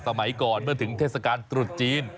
สมัยก่อนเมื่อถึงเทศกาลตรุษจีน